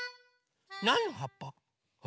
なんのはっぱ？